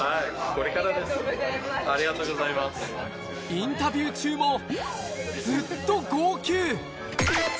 インタビュー中もずっと号泣。